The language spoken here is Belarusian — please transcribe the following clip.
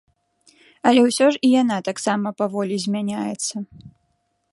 Але ўсё ж і яна таксама паволі змяняецца.